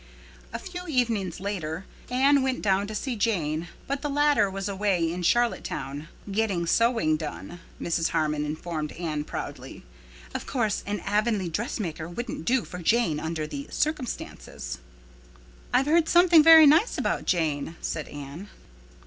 A few evenings later Anne went down to see Jane, but the latter was away in Charlottetown—"getting sewing done," Mrs. Harmon informed Anne proudly. "Of course an Avonlea dressmaker wouldn't do for Jane under the circumstances." "I've heard something very nice about Jane," said Anne.